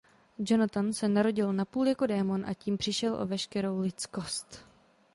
Jonathan se narodil napůl jako démon a tím přišel o veškerou lidskost.